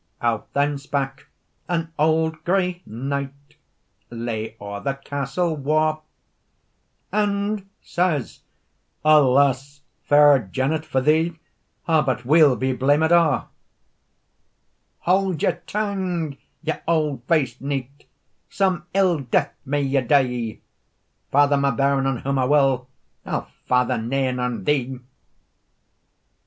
Out then spak an auld grey knight, Lay oer the castle wa, And says, "Alas, fair Janet, for thee But we'll be blamed a'." "Haud your tongue, ye auld fac'd knight, Some ill death may ye die! Father my bairn on whom I will, I'll father nane on thee."